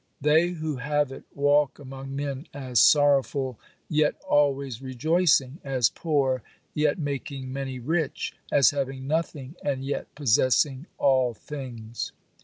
They who have it, walk among men as sorrowful, yet always rejoicing; as poor, yet making many rich; as having nothing, and yet possessing all things.